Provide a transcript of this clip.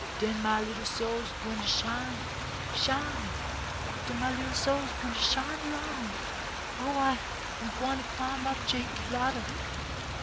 Den my little soul's gwine to shine, shine; Den my little soul's gwine to shine along. Oh ! I'm gwine to climb up Jacob's ladder.